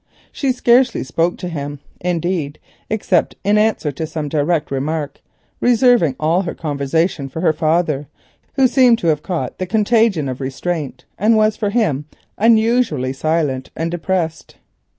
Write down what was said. She scarcely spoke to him, indeed, except in answer to some direct remark, reserving all her conversation for her father, who seemed to have caught the contagion of restraint, and was, for him, unusually silent and depressed.